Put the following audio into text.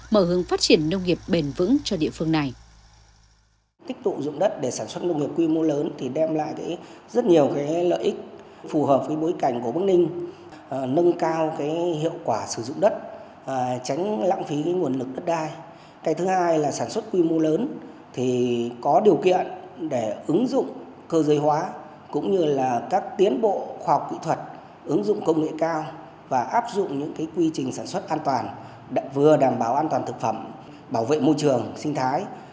mở hướng phát triển nông nghiệp bền vững cho địa phương này